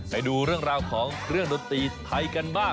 ไปดูเรื่องราวของเครื่องดนตรีไทยกันบ้าง